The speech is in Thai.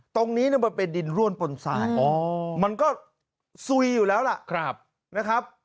ตรงนี้เป็นดินร่วนปนทรายมันก็สุยอยู่แล้วละ